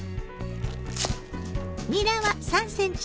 にらは３ｃｍ